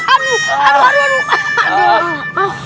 aduh aduh aduh